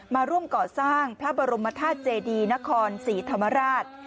มาร่วมก่อสร้างพระบรมธาตุเจดีนครศรีธรรมราช